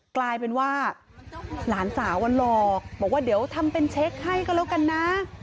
กลายเป็นว่าหลานสาวหลอกบอกว่าเดี๋ยวทำเป็นเช็คให้ก็แล้วกันนะ